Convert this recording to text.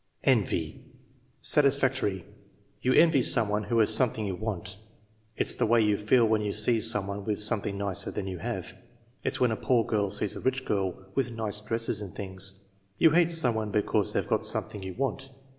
(d) Envy Satisfactory. "You envy some one who has something you want." "It's the way you feel when you see some one with some thing nicer than you have." "It's when a poor girl sees a rich girl with nice dresses and things." "You hate some one because they've got something you want."